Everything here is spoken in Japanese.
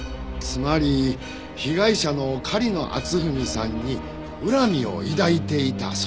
つまり被害者の狩野篤文さんに恨みを抱いていた。